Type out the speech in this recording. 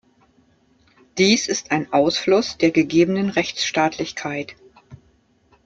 Dies ist ein Ausfluss der gegebenen Rechtsstaatlichkeit.